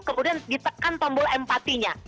kemudian ditekan tombol empatinya